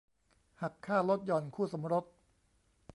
หักค่าลดหย่อนคู่สมรส